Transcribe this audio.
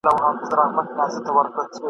پر دې دنیا یې حوري نصیب سوې ..